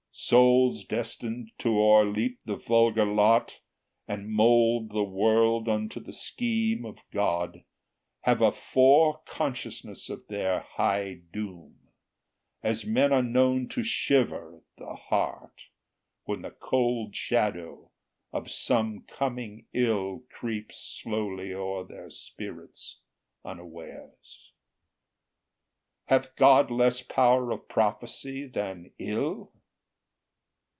Souls destined to o'erleap the vulgar lot, And mould the world unto the scheme of God, Have a fore consciousness of their high doom, As men are known to shiver at the heart, When the cold shadow of some coming ill Creeps slowly o'er their spirits unawares. Hath Good less power of prophecy than Ill?